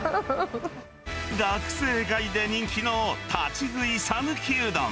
学生街で人気の立ち食い讃岐うどん。